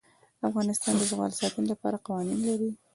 افغانستان د زغال د ساتنې لپاره قوانین لري.